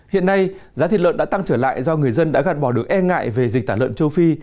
hiện nay giá thịt lợn đã tăng trở lại do người dân đã gạt bỏ được e ngại về dịch tả lợn châu phi